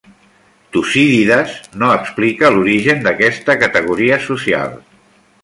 Tucídides no explica l'origen d'aquesta categoria social.